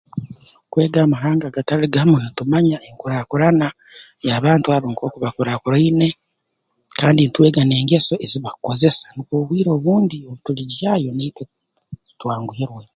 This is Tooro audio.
Kwega amahanga gatali gamu ntumanya enkurakurana y'abantu abo nk'oku bakuraakuraine kandi ntwega n'engeso ezibakukozesa nukwo obwire obundi obu tuligyayo naitwe twanguhirwe